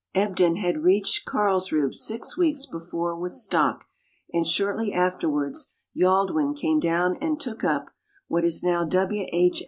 Ebden had reached Carlsruhe six weeks before with stock, and shortly afterwards Yaldwyn came down and took up (what is now W. H.